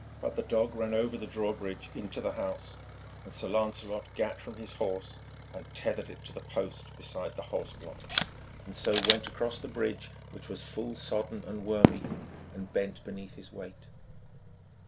But the dog ran over the drawbridge into the house, and Sir Lancelot gat from his horse and tethered it to the post beside the horseblock, and so went across the bridge, which was full sodden and worm eaten, and bent beneath his weight.